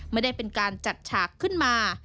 ไม่ได้เป็นการจัดฉากขึ้นมา